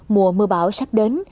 mùa mưa bão sắp đến